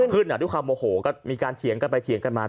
ขึ้นอ่ะด้วยความโหโหก็มีการเฉียงกันไปเเถียงกันมา